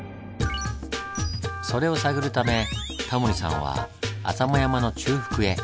それを探るためタモリさんは浅間山の中腹へ。